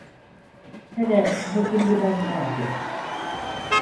Hele bugün biraz rahat et.